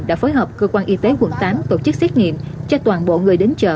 đã phối hợp cơ quan y tế quận tám tổ chức xét nghiệm cho toàn bộ người đến chợ